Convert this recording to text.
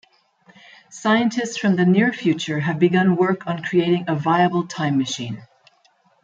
Scientists from the near future have begun work on creating a viable time machine.